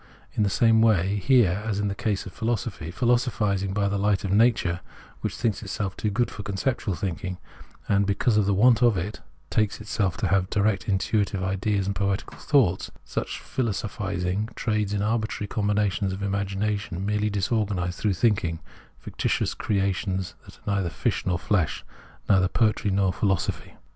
In the same way here in the case of philosophy ; philosophising by the hght of nature, which thinks itself too good for conceptual thinking, and, because of the want of it, takes itself to have direct intuitive ideas and poetical thoughts, — such philosophising trades in arbitrary combinations of an imagination merely disorganised through thinking — ficti tious creations that are neither fish nor flesh, neither poetry nor philosophy.